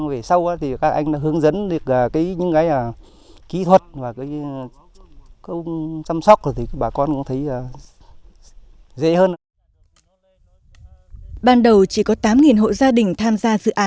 với hướng dẫn kỹ năng chăn nuôi trầm trọt bà con đã chịu khó làm lụng